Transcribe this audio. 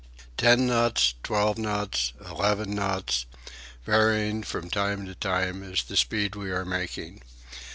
Ten knots, twelve knots, eleven knots, varying from time to time, is the speed we are making.